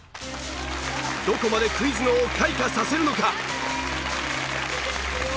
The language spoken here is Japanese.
どこまでクイズ脳を開花させるのか？